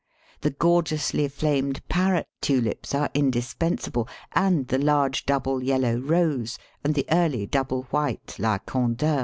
The gorgeously flamed Parrot Tulips are indispensable, and the large double Yellow Rose, and the early double white La Candeur.